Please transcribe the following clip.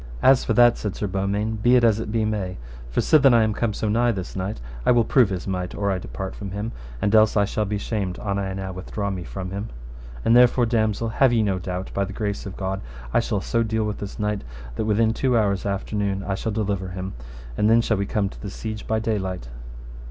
As for that, said Sir Beaumains, be it as it be may. For sithen I am come so nigh this knight I will prove his might or I depart from him, and else I shall be shamed an I now withdraw me from him. And therefore, damosel, have ye no doubt by the grace of God I shall so deal with this knight that within two hours after noon I shall deliver him. And then shall we come to the siege by daylight.